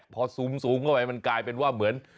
พอซูมเข้าไปมันกลายเป็นว่าเหมือน